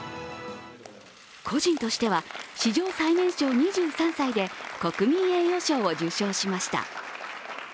個人としては史上最年少２３歳で国民栄誉賞を受賞しました。